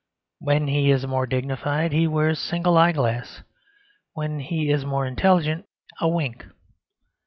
When he is more dignified he wears a single eyeglass; when more intelligent, a wink.